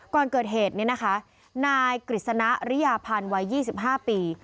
ก่อนเกิดเหตุนี้นะคะนายกฤษณะริยาพันธ์วัย๒๕ปี